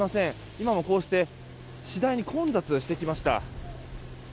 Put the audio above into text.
今も次第に混雑してきました。